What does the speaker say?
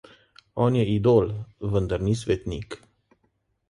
On je idol, vendar ni svetnik.